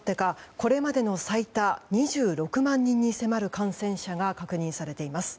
これまでの最多、２６万人に迫る感染者が確認されています。